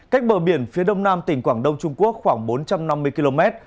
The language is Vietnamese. cách bờ biển phía đông nam tỉnh quảng đông trung quốc khoảng bốn trăm năm mươi km